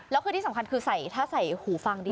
แล้วคือที่สำคัญคือใส่ถ้าใส่หูฟังดี